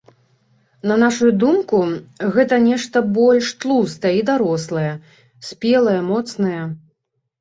На нашую думку, гэта нешта больш тлустае і дарослае, спелае, моцнае.